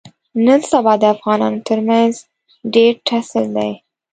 نن سبا د افغانانو ترمنځ ډېر ټسل دی.